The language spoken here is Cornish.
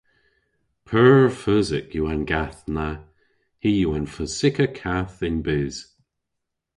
Pur feusik yw an gath na. Hi yw an feusikka kath y'n bys.